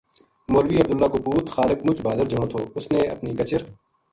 مولوی عبداللہ کو پُوت خالق مُچ بھادر جنو تھو اس نے اپنی کچر